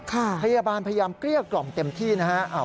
พยาบาลพยายามเกลี้ยกล่อมเต็มที่นะครับ